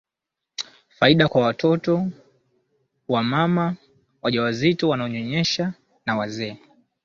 Faida kwa watoto wamama wajawazito wanaonyonyesha na wazee